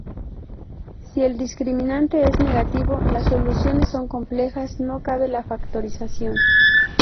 Si el discriminante es negativo, las soluciones son complejas, no cabe la factorización.